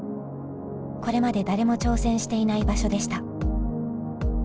これまで誰も挑戦していない場所でした。